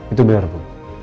itu benar bu